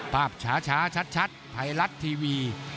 ภาพช้าชัดไพรัตท์ทีวี